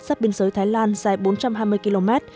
sắp biên giới thái lan dài bốn trăm hai mươi km